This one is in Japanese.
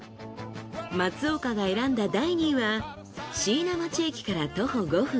松岡が選んだ第２位は椎名町駅から徒歩５分